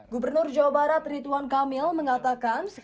gubernur jawa barat rituan kamil mengatakan